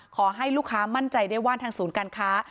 ขอให้ลูกค้ามั่นใจได้ว่าทางศูนย์การค้า